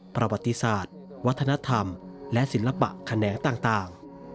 ประวัติศาสตร์วัฒนธรรมและศิลปะแขนงต่าง